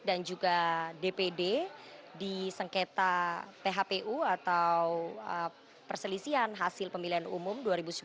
dan juga dpd di sengketa phpu atau perselisian hasil pemilihan umum dua ribu sembilan belas